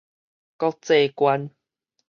國際觀